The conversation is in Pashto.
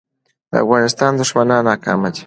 د افغانستان دښمنان ناکام دي